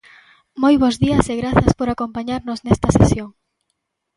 Moi bos días e grazas por acompañarnos nesta sesión.